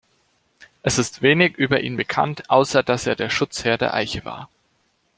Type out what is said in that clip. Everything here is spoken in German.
Es ist wenig über ihn bekannt, außer dass er der Schutzherr der Eiche war.